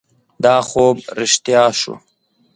دا خوب رښتیا شو.